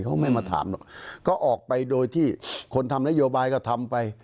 เขาไม่มาถามหรอกก็ออกไปโดยที่คนทำนโยบายก็ทำไป